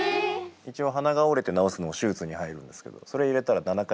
一応鼻が折れて治すのも手術に入るんですけどそれ入れたら７回手術してます。